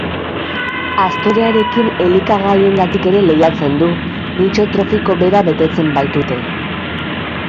Aztorearekin elikagaiengatik ere lehiatzen du, nitxo trofiko bera betetzen baitute.